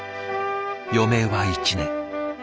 余命は１年。